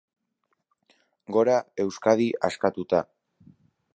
Madagaskarreko meatzeetatik grafitoa, urrea eta harribitxiak ateratzen dituzte.